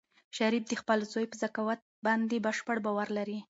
شریف د خپل زوی په ذکاوت باندې بشپړ باور لري.